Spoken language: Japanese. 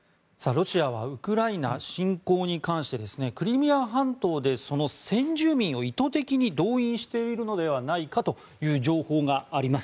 ロシアはウクライナ侵攻に関してクリミア半島でその先住民を意図的に動員しているのではないかという情報があります。